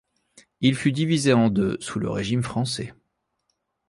Il fut divisé en deux sous le Régime français.